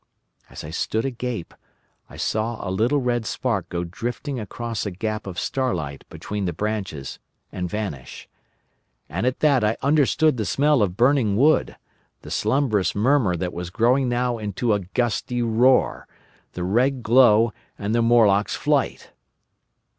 As I stood agape, I saw a little red spark go drifting across a gap of starlight between the branches, and vanish. And at that I understood the smell of burning wood, the slumbrous murmur that was growing now into a gusty roar, the red glow, and the Morlocks' flight.